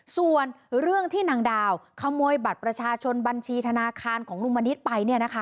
ส่วนเรื่องที่นางดาวขโมยบัตรประชาชนบัญชีธนาคารของลุงมณิษฐ์ไป